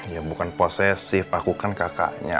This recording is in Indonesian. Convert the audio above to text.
ya bukan posesif aku kan kakaknya